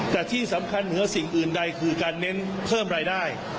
แต่ที่สำคัญเหนือสิ่งอื่นใดคือการเน้นเพิ่มรายได้